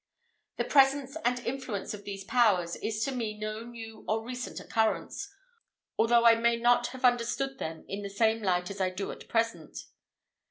The presence and influence of these powers is to me no new or recent occurrence, although I may not have understood them in the same light as I do at present.